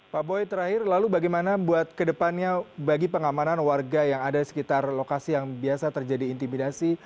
pak boy terakhir lalu bagaimana buat kedepannya bagi pengamanan warga yang ada di sekitar lokasi yang biasa terjadi intimidasi